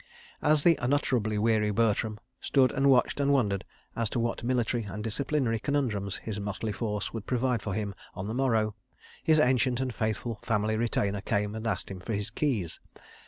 ... As the unutterably weary Bertram stood and watched and wondered as to what military and disciplinary conundrums his motley force would provide for him on the morrow, his ancient and faithful family retainer came and asked him for his keys.